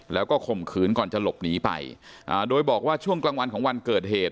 แล้วก็ข่มขืนก่อนจะหลบหนีไปอ่าโดยบอกว่าช่วงกลางวันของวันเกิดเหตุ